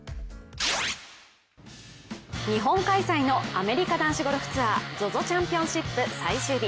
日本開催のアメリカ男子ゴルフツアーＺＯＺＯチャンピオンシップ最終日。